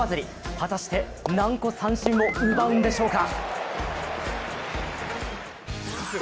果たして何個三振を奪うんでしょうか？